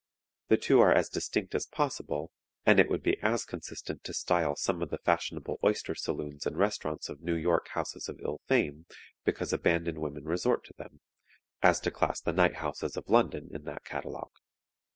The two are as distinct as possible, and it would be as consistent to style some of the fashionable oyster saloons and restaurants of New York houses of ill fame because abandoned women resort to them, as to class the "night houses" of London in that catalogue.